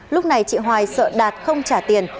lúc này chị hoài sợ đạt không trả tiền